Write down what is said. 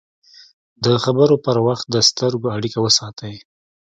د خبرو پر وخت د سترګو اړیکه وساتئ